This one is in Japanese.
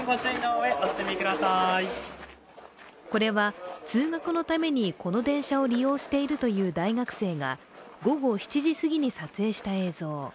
これは通学のために、この電車を利用しているという大学生が午後７時すぎに撮影した映像。